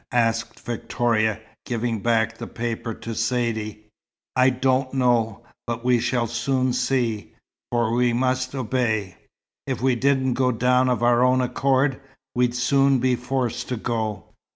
asked Victoria, giving back the paper to Saidee. "I don't know. But we shall soon see for we must obey. If we didn't go down of our own accord, we'd soon be forced to go."